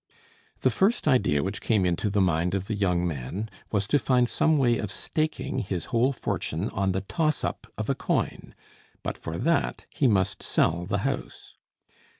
The first idea which came into the mind of the young man was to find some way of staking his whole fortune on the toss up of a coin, but for that he must sell the house.